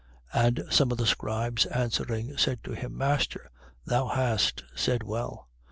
20:39. And some of the scribes answering, said to him: Master, thou hast said well.